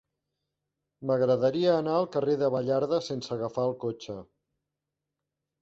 M'agradaria anar al carrer de Baliarda sense agafar el cotxe.